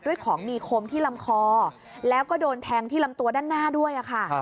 ของมีคมที่ลำคอแล้วก็โดนแทงที่ลำตัวด้านหน้าด้วยค่ะ